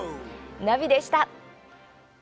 ナビでした！